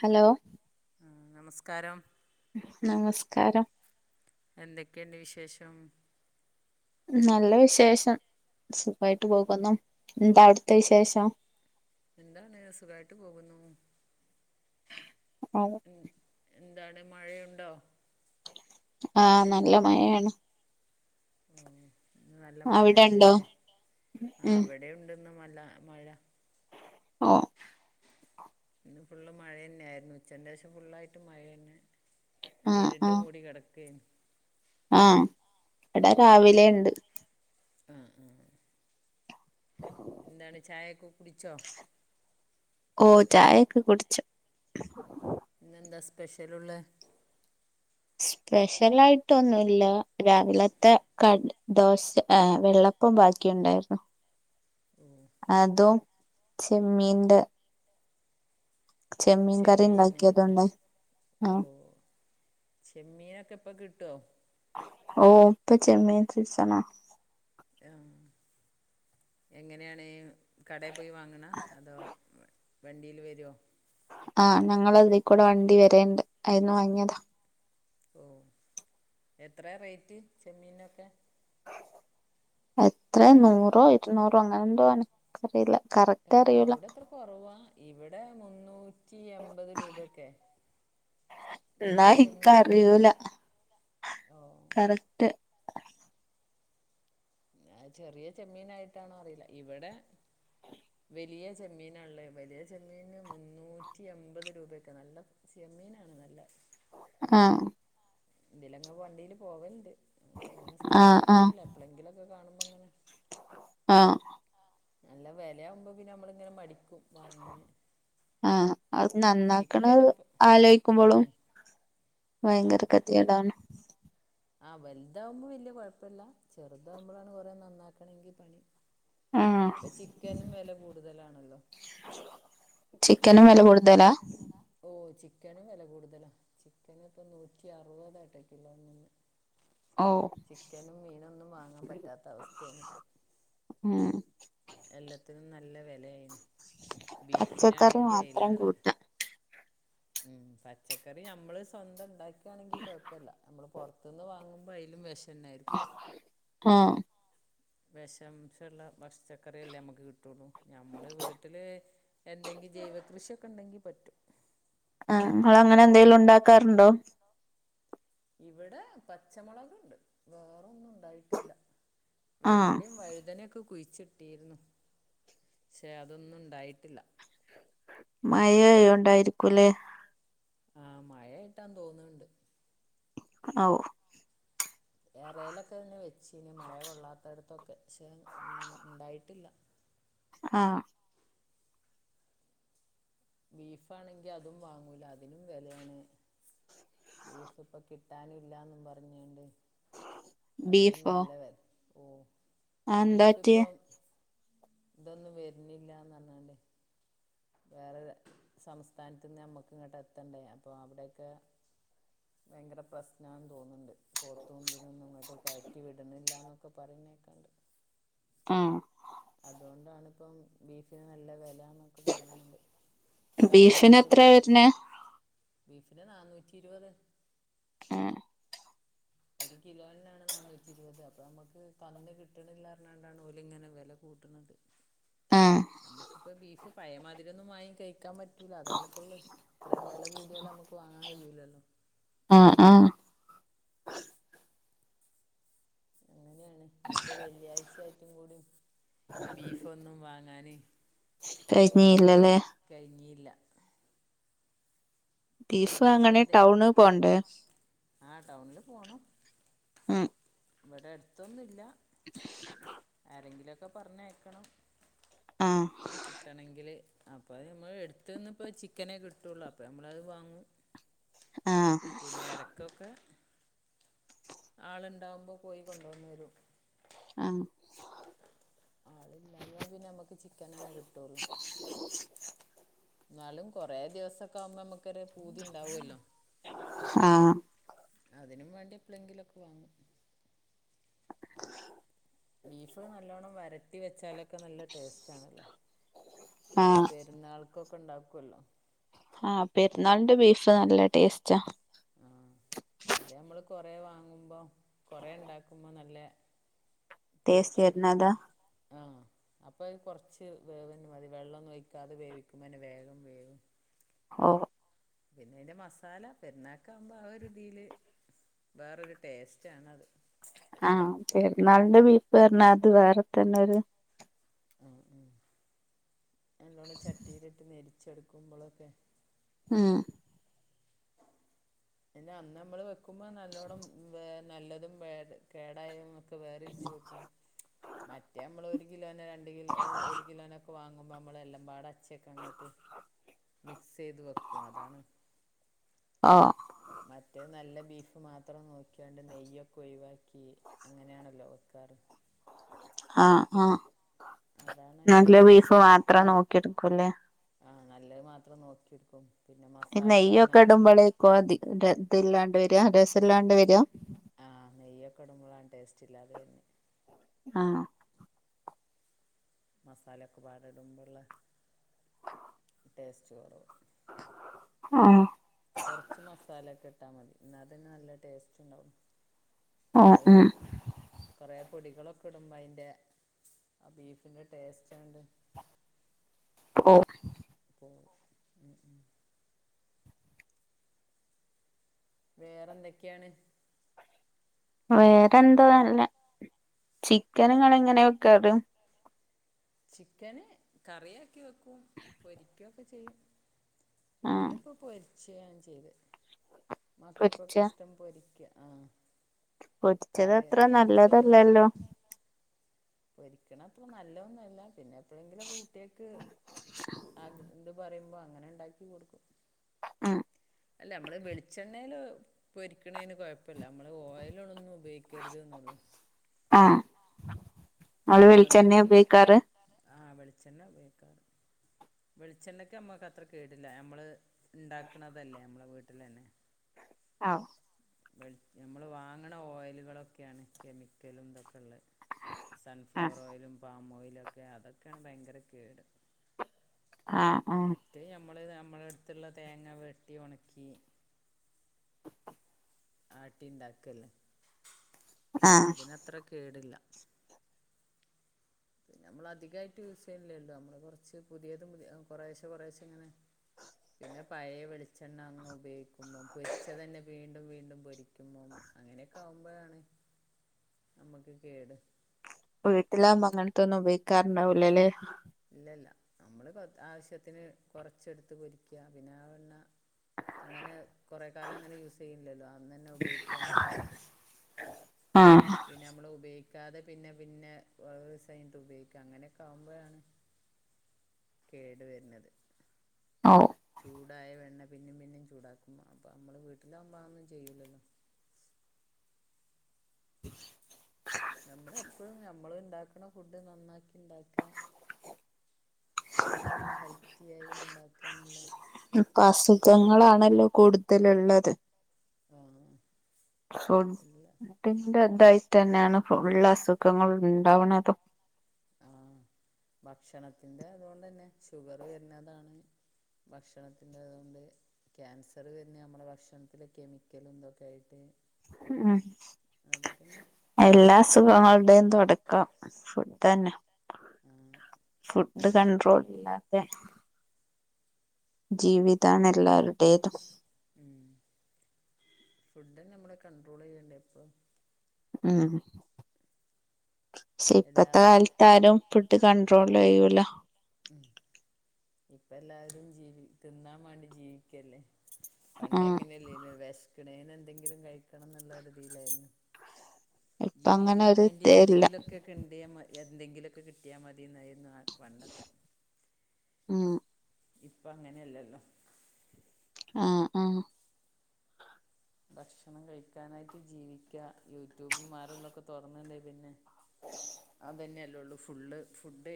Hello. ആ നമസ്കാരം. നമസ്കാരം. എന്തൊക്കെയുണ്ട് വിശേഷം. നല്ല വിശേഷം സുഖമായിട്ട്ം പോക്കുന്നു എന്താ അവിടുത്തെ വിശേഷം. എന്താണ് സുഖമായിട്ട് പോകുന്നു. ആഹ് എന്താണ് മഴയുണ്ടോ.? ആഹ നല്ല മഴയാണ് ഓ ഇ നല്ല അവിടെ ഉണ്ടോ മഴയാണല്ലേ ആ ഉം അവിടെുണ്ട്ന്ന് നല്ല മഴ. ഓഹ്. ഇന്ന് ഫുള്ള് മഴന്നെ ആയിരുന്നു. ഉച്ചന്റേശം ഫുള്ളായിട്ടും മഴന്നെ. ആഹ് ഇരിണ്ട് ആഹ് മൂടി കെടക്കേന്നു. ആഹ് ഇവട രാവിലേ എണ്ട്. ആഹ് ആഹ്. എന്താണ് ചായേക്ക കുടിച്ചോ? ഓഹ് ചായൊക്കെ കുടിച്ച്. ഇന്നെന്താ സ്പെഷ്യലുള്ളെ? സ്പെഷ്യലായിട്ടൊന്നൂല്ല. രാവിലത്തെ ക ദോശ ആ വെള്ളപ്പം ബാക്കിയുണ്ടായിരുന്നു. ഓഹ് അതും ചെമ്മീന്റെ. ചെമ്മീൻ കറി ചെമ്മീനായിരുന്ന് ഉണ്ടാക്കിയതുണ്ട് ആഹ് ഓഹ് ചെമ്മീനൊക്കെ ഇപ്പൊ കിട്ടോ? ഓഹ് ഇപ്പൊ ചെമ്മീൻ സീസണാ ആഹ് എങ്ങനെയാണ്? കടേ പോയി വാങ്ങണ അതോ വണ്ടിയിൽ വരോ? ആഹ് ഞങ്ങളെ ഇതീക്കൂടെ വണ്ടി വരണ്ട് ആയീന്ന് വാങ്ങിയതാ. ഓഹ് എത്രയാറേറ്റ് ചെമ്മീനൊക്കെ? എത്രയാ നൂറോ ഇരുനൂറോ അങ്ങനെ എന്തോ ആണ് എൻക്കറിയില്ല കറക്. ഓ അവിടെ എത്ര കുറവാ ഇവിടെ മുന്നൂറ്റി എൺമ്പത് രൂപ ഒക്കെ. എന്നാ വല്ല്യ ചെമ്മീനൊക്കെ എനിക്കറിയൂല ഓ. റ്റ്. ഇനിയത് ചെറിയ ചെമ്മീനായിട്ടാണോ അറിയില്ല ഇവിടെ. വെലിയ ചെമ്മീനാള്ളെ വലിയ ചെമ്മീന് മുന്നൂറ്റി എമ്പത് രൂപേക്കെ നല്ല ചെമ്മീനാണ് നല്ല. ആഹ് ഇതിലങ്ങന വണ്ടീൽ പോവലിണ്ട് അങ്ങനെ ആഹ് സ്ഥിരായിട്ടൊന്നും ആഹ് വാങ്ങൂല്ല എപ്പളെങ്കിലൊക്കെ കാണുമ്പോ ഇങ്ങനെ. ആഹ്. നല്ല വെലയാവുമ്പോ പിന്നെ നമ്മള് ങ്ങനെ മടിക്കും വാങ്ങാന്. ആഹ് അത് ചിക്കന് നന്നാക്കണത് ഇപ്പ ആലോയ്ക്കുമ്പളും ഉം ഭയങ്കര കെ. ട്യളാണ് ആഹ് വലുതാവുമ്പം വല്ല്യ കൊഴപ്പില്ല. ചെറുതാവുമ്പോളാണ് കുറെ നന്നാക്കണെങ്കിൽ പണി. ആഹ് ഇപ്പം ചിക്കനും വെല കൂടുതലാണല്ലോ. ചിക്കന് വെല കൂടുതലാ? ഓ ചിക്കനും വെല കൂടുതലാ ചിക്കൻ ഇപ്പം നൂറ്റി അറുപതായിക്ക കിലോന്ന്. ഓഹ്. ചിക്കനും മീനൊന്നും വാങ്ങാൻ പറ്റാത്ത അവസ്ഥയാണിപ്പൊ. ഉം എല്ലത്തിനും നല്ല വെലേണ്. പച്ചക്കറി ബീഫിനാണെങ്കി മാത്രം അയിലേറെ. കൂട്ടാ ഉം പച്ചക്കറി ഞമ്മള് സ്വന്തം ഇണ്ടാക്കാണെങ്കിൽ കൊഴപ്പില്ല്യ. നമ്മള് പൊറ പൊർത്ത്ന്ന് വാങ്ങുമ്പോ അയ്ലും വെഷന്നായിരിക്കും. ആഹ് വെശാംശള്ള പശ്ച്ക്കറിയല്ലേ നമുക്ക് കിട്ടൊള്ളൂ. ഞമ്മള് വീട്ടില് എന്തെങ്കിലും ജൈവകൃഷിയൊക്കെ ഉണ്ടെങ്കി പറ്റും. ആഹ് ഇങ്ങളങ്ങനെ എന്തേലും ഉണ്ടാക്കാറുണ്ടോ? ഇവിടെ പച്ചമുളകെണ്ട് വേറൊന്നും ഇണ്ടായി ട്ടില്ല. ആഹ് വെണ്ടേം വഴുതനൊക്കെ കുഴിച്ചി തീർന്നു ക്ഷെ അതൊന്നും ഇണ്ടായിട്ടില്ല. മയ ആയോണ്ടായിരിക്കൂല്ലേ? ആഹ് മഴയേട്ടാം തോന്നണെണ്ട്. ഔ. ഏറെയിലൊക്കെ തന്നെ വെച്ചിനി മഴ കൊള്ളാത്തടത്തൊക്കെഛെ ഉണ്ടായിട്ടില്ല. ആഹ്. ബീഫാണെങ്കി അതും വാങ്ങൂല അതിനും വേലേണ്. ബീഫ് ഇപ്പൊ കിട്ടാനില്ലാന്നും പർഞ്ഞാണ്ട്. അതിനും ബീഫോ നല്ല വെല ഓ അതെന്താ ബീഫ് പറ്റിയേ ഇപ്പം ഇതൊന്നും വര്ന്നില്ലാന്നർഞ്ഞാണ്ടേ. വേറെ സംസ്ഥാനത്ത്ന്ന് നമ്മക്ക് ഇങ്ങട്ട് എത്തണ്ടേ അപ്പൊ അവിടൊക്കെ ഭയങ്കര പ്രശ്നാന്ന് തോന്ന്ണ്ട്. പോത്തുംഇതിനെഒന്നുംഇങ്ങോട് കയറ്റി വിടണില്ലന്നൊക്കെ പറയുന്നേക്കാണ്ട്. ആ അതോണ്ടാണ്പ്പം ബീഫിന് നല്ല വെലാന്നൊക്കെ പറിണ്ണ്ട്. ബീഫിന് എത്ര വര്ന്നേ? ബീഫിന് നാന്നൂറ്റിരുപത്. ആഹ്. ഒരു കിലോനാണ് നന്നൂറ്റി ഇരുപത് അപ്പൊ അമ്മക്ക് കന്ന് കിട്ട്ണില്ലാ ർഞ്ഞാണ്ടാണ് ഓലിങ്ങനെ വെല കൂട്ട്ണത് ആഹ് നമ്മക്കിപ്പോ ബീഫ് പയേമാതിര്യെന്നും വാങ്ങി കയ്ക്കാൻ പ റ്റൂല അതാണ്പ്പള്ളെ ഇത്രയും വെല കൂട്യാല് അമ്മക്ക് വാങ്ങാൻ കയ്യൂല്ലല്ലോ. ആഹ് ആഹ്. അങ്ങനെണ് ഇന്നപ്പോ വെള്ളിയാഴ്ച ആയിട്ടും കൂടി ബീഫ് ഒന്നും വാങ്ങാന് കഴിഞ്ഞിയില്ലല്ലേ. കയ്‌ഞ്ഞീല്ല വെള്ളിയാഴ്ച ബീഫാങ്ങണേൽ എന്തെങ്കിലും ടൗണ് പോണ്ടേ? ആ ടൗണിൽ മ് ഇവ്ടെ അട്ത്തൊന്നുല്ല ആരെങ്കിലൊക്കെ പറഞ്ഞയക്കണം. ആ കിട്ടണേങ്കില് അപ്പോ അത് ഞമ്മള് എടുത്ത്ന്ന് ഇപ്പോ ചിക്കനേ കിട്ടുള്ളൂ അപ്പോ ഞമ്മളത് വാങ്ങും. ആഹ്. പിന്നെ എടക്കൊക്കെ ആള്ണ്ടാവുമ്പോ പോയി കൊണ്ടു വന്ന് തരും. ആ ആളില്ലാഞ്ഞാ പിന്നെ നമ്മക്ക് ചിക്കനെന്നെ കിട്ടൊള്ളു. [inaudible] ഇന്നാലും കൊറേ ദിവസൊക്കെ ആവുമ്പോ നമുക്കൊരു പൂതി ഇണ്ടാവൊല്ലോ. ആഹ്. അതിനും വേണ്ടി എപ്പളെങ്കിലുക്കെ വാങ്ങും. ബീഫ് നല്ലോണ്ണം വരട്ടി വെച്ചാലൊക്കെ നല്ല ടേസ്റ്റ് ആണല്ലോ. നമ്മള് പെ ആഹ് പെരുന്നാൾക്കൊക്കെ ഉണ്ടാക്കുല്ലോ. ആഹ് പെര്ന്നാൾന്റെ ബീഫ് നല്ല ടേസ്റ്റാ. ആഹ്. അത് ഞമ്മള് കൊറേ വാങ്ങുമ്പോ കൊറേ ഉണ്ടാക്കുമ്പോ നല്ല ടേസ്റ്റ് പൊര്ച്ചെട്ക്ക്മ വരുന്നതാ ആഹ് അപ്പോ അയ്ന് കൊർച്ച് വേവന്നെ മതി വെള്ളൊന്നും ഒയിക്കാതെ വേവിക്കുമ്പോന്നെ വേഗം വേവും. ഓഹോ. പിന്നെ അതിൻ്റെ മസാല പെരുന്നാക്കാവുമ്പോ ആ രീതിൽ വേറൊരു ടേസ്റ്റാണത്. ആഹ് പെര്ന്നാൾന്റെ ബീഫ് ർഞ്ഞാൽ അത് വേറെ തന്നൊര് ഉം, ഉം. നല്ലോണ്ണം ചട്ടീല്ട്ട് നെരിച്ചെടുക്കുമ്പോള്ളൊക്കെ മ്. പിന്നെ അന്ന് നമ്മള് വെക്കുമ്പോ നല്ലോണം വെ നല്ലതും വെ കേടായും ഒക്കെ വെരിച്ച് വെക്കും മറ്റേമ്മള് ഒരുകിലോന് രണ്ട്കിലോ ഓ ഒരുകിലോനോക്കെ വാങ്ങുമ്പോമ്മള് എല്ലാംപാടെ ച്ചേക്കങ്ങട്ട് മിക്സെയ്ത് വെക്കും അതാണ് ആഹ് മറ്റേനല്ലബീഫ്മാത്രംനോക്കിയാണ്ട് നെയ്യൊക്കെഒഴിവാക്കി അങ്ങെനെയാണല്ലോ വെക്കാറ് ഹാ ആഹ് അതാണ് അതിൻ്റെ നല്ല ബീഫ് ടേസ്റ്റ് മാത്രം നോക്കിട്ക്കും ല്ലേ ആഹ് നല്ലത് മാത്രം നോക്കിട്ക്കും പിന്നെ മസാലെയൊക്കെ നൽ കോതി ഇതി ഇല്ലാണ്ട് വെര്അ രസംല്ലാണ്ട് വര്അ ആഹ് നെയ്യൊക്കെടുമ്പോളാടേസ്റ്റ്ല്ലാതെ വര്ന്നെ ആഹ് മസാലൊക്കെപാടെടുമ്പോള്ള ടേസ്റ്റ്കുറവ് ആഹ് കൊർച്ച് മസാലക്കെ ഇട്ടാ മതി ഇന്നാ തന്നെ നല്ല ടേസ്റ്റ് ഇണ്ടാവും ആഹ് നമ്മള് ഉം കൊറേ പൊടികളൊക്കെടുമ്പോ അയിന്റെ ആഹ് ബീഫിന്റെ ടേസ്റ്റ്ങ്ങണ്ട് [unintelligible] [inaudible] വേറെന്തൊക്കെയാണ്? വേറെന്താ നല്ല ചിക്കന്ങ്ങള് എങ്ങനെ വെക്കാറ്? ചിക്കന് കറിയാക്കി വെക്കും പൊരിക്ക്യൊക്കെ ചെയ്യും ആഹ് ഇന്നിപ്പോപൊരിച്ച ഞാൻചെയ്തെ പൊരിച്ച മക്കൾക്കൊക്കെ ഇഷ്ടം പൊരിക്ക് ആഹ് പൊരിച്ചത് കറി അത്ര നെയ്ച്ചോറ് നല്ലതല്ലല്ലോ പൊരിക്കണത്ര നല്ല ഒന്നു അല്ല പിന്നെ എപ്പോഴെങ്കിലൊക്കെ കുട്ടിയാക്ക് ആഗ്ര പറിമ്പോ അങ്ങനെ ഇണ്ടാക്കി കൊട്ക്കും ആഹ് അല്ലമ്മള് വെളിച്ചെണ്ണേല് പൊരിക്കണേന് കൊഴപ്പല്ല നമ്മള് ഓയലോളൊന്നും ഉപയോഗിക്കരുത് ന്നൊള്ളൂ ആഹ് ആള് വെളിച്ചണ്ണെ ഉപയോഗിക്കാറ്? ആഹ് വെളിച്ചെണ്ണ ഉപയോഗിക്കാറ് വെളിച്ചെണ്ണക്ക് നമ്മക്കത്ര കേടില്ല നമ്മള് ഇണ്ടാക്ക്ണതല്ലേ നമ്മളെ വീട്ടിലന്നെ ആഹ് വെൾ നമ്മള് വാങ്ങ്ണ ഓയിലുകളൊക്കെയാണ് കെമിക്കലും ഇതൊക്കെള്ളത് ആഹ് സൺഫ്ലവർഓയിലും പാംമൊയിലൊക്കെ അതൊക്കെണ് ഭയങ്കരകേട് ആഹ് ആഹ് മറ്റെത് നമ്മള് നമ്മളട്ത്തുള്ള തേങ്ങ വെട്ടി ഒണക്കി ആട്ടിണ്ടാക്കല്ലേ ആഹ് അതിനത്രകേടില്ല. പിന്നെമ്മള് അധികായിട്ട് യൂസ്യ്ണില്ലല്ലോ നമ്മള് കൊറച്ച് പുതിയതും പുതി അ കൊറേശെ കൊറേശെങ്ങനെ പിന്നെ പഴയ വെളിച്ചെണ്ണ അങ്ങ് ഉപയോഗിക്കുമ്പോം പൊരിച്ചതന്നെ വീണ്ടും വീണ്ടും പൊരി ക്കുമ്മം അങ്ങനെയൊക്കെ ആവുമ്പഴാണ് നമ്മക്ക് കേട് വീട്ടിലാവുമ്പോ അങ്ങൻത്തൊന്നും ഉപയോഗിക്കാറ്ണ്ടാവൂലല്ലേ? ഇല്ലല്ല നമ്മള് കൊ ആവശ്യത്തിന് കൊറച്ചെടുത്ത് പൊരിക്ക്യ പിന്നെ ആ വെണ്ണ അങ്ങനെ കൊറേ കാലം അങ്ങനെ യൂസ്യ്യില്ലല്ലോ അന്നന്നെ ഉപയോഗിക്ക്യന്നല്ലാതെ ആഹ് പിന്നെമ്മള്ഉപയോഗിക്കാതെ പിന്നെപിന്നെ കൊറേ ദിവസം കഴിഞ്ട്ട് ഉപയോഗിക്ക അങ്ങനൊക്കെ ആകുമ്പോഴാണ് കേട് വെര്ണത് ആവു ചൂടായ വെണ്ണ പിന്നിം പിന്നിം ചൂടാക്കും അപ്പ നമ്മള് വീട്ടിലാവുമ്പൊ അതൊന്നും ചെയ്യൂലല്ലോ [inaudible] ഞമ്മളെപ്പഴും ഞമ്മള്ണ്ടാക്ക്‌ണ ഫുഡ് നന്നാക്കി ഇണ്ടാക്ക്‌അ അയില് നമ്മള് ഹെൽത്തിയായി ഇണ്ടാക്ക്‌അന്ന്ള്ള ഇപ്പസുഖങ്ങളാണല്ലോ കൂടുതലുള്ളത് ആഹ് ഫുഡിന്റ്തായിട്ടെന്നെയാണ് ഫുള്ളസുഖങ്ങള്ണ്ടാവ്ണതും ആഹ് ഭക്ഷണത്തിന്റതുകൊണ്ടന്നെ ഷുഗറ് വരുന്നതാണ് ഭക്ഷണത്തിൻ്റത്കൊണ്ട് ക്യാൻസറ് വര്ന്നേ നമ്മളെ ഭക്ഷണത്തില് കെമിക്കലും ഇതൊക്കെആയിട്ട് ഉം എല്ലാ അസുഖങ്ങളുടെയും തുടക്കം ഫുഡ്ന്നെ ഉം ഫുഡ് കണ്ട്രോൾ ല്ലാതെ ജീവിതാന്നെല്ലോരു ഹ്മ് ഫുഡ് നമ്മള് കണ്ട്രോളെയ്യണ്ടേ എപ്പളും മ് എല്ലാ ഷെപ്പത്തെ കാലത്താലും ഫുഡ്‌ കണ്ട്രോളെയ്യൂല്ലോ ഹ്മ് [inaudible] ഇപ്പെല്ലാരും ജീവി തിന്നാൻ വേണ്ടി ജീവിക്കല്ലേ ഉം പണ്ടങ്ങനെയല്ലാഞ്ഞു വെഷ ക്ക്‌ണേനെന്തെങ്കിലും കഴിക്കണംന്നുള്ളൊരീതിയിലായിരുന്നു ഇപ്പ അങ്ങനെ ജീവിക്കാൻ ഒരു വേണ്ടി ഇതേല്ല എന്തെങ്കിലൊക്കെ കിണ്ടിയ എന്തെങ്കിലൊക്കെ കിട്ടിയാ മതിന്നായിരുന്നു ആ പണ്ടൊക്കെ ഉം ഇപ്പങ്ങനെല്ലല്ലോ ആ ആ ഭക്ഷണം കഴിക്കാനായിട്ട് ജീവിക്ക യൂട്യൂബ്മാരെല്ലൊക്കെ തൊറന്ന്ണ്ടെ പിന്നെ [inaudible] അതന്നെയല്ലുള്ളൂ ഫുള്ള് ഫുഡ്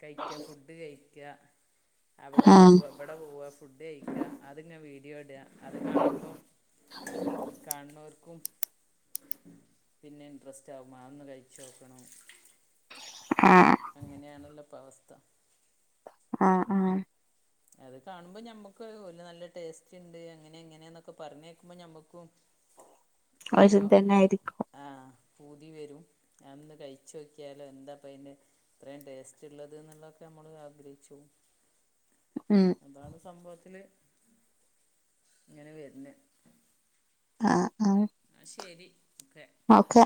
കഴിക്ക ഫുഡ് കഴിക്ക അവിടെ ആഹ് പോവാ ഇവിടെ പോവാ ഫുഡ് കഴിക്കാ അത്ങ്ങനെ വീഡിയോ ഇടാ അത് കാണുമ്പം കാണ്ണോർക്കും പിന്നെ ഇൻട്രസ്റ്റാകും അതൊന്ന് കഴിച്ച് നോക്കണം ആഹ് അങ്ങനെയാണല്ലോ ഇപ്പവസ്ഥ ആഹ് ആഹ് അത് കാണുമ്പോ ഞമ്മക്ക് ഓല്നല്ല ടേസ്റ്റ്ണ്ട് അങ്ങനെ ഇങ്ങനെന്നൊക്കെ പറഞ്ഞ്കേക്കുമ്പൊ ഞമ്മക്കും ആ ഓരോ ആ പൂതി വരും അതൊന്ന് കയിച്ചോക്കിയാലോ എന്താപ്പയിന് ഇത്രയും ടേസ്റ്റുള്ളത്ന്നുള്ളതൊക്കെ നമ്മൾ ആഗ്രഹിച്ചുപോവും ഉം അതാണ് സംഭവത്തില് ഇങ്ങനെ വര്ന്നത് ആഹ് ആഹ് ന്നാ ശെരി ഒക്കെ ഓക്കെ